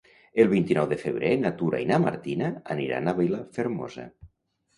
El vint-i-nou de febrer na Tura i na Martina aniran a Vilafermosa.